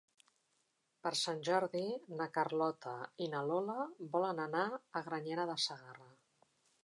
Per Sant Jordi na Carlota i na Lola volen anar a Granyena de Segarra.